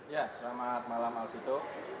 ya selamat malam alvito